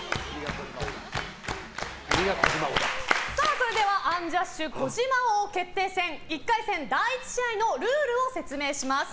それではアンジャッシュ児嶋王決定戦１回戦、第１試合のルールを説明します。